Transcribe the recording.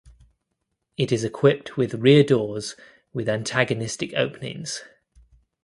It is equipped with rear doors with antagonistic openings.